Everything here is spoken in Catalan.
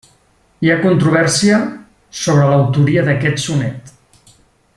Hi ha controvèrsia sobre l'autoria d'aquest sonet.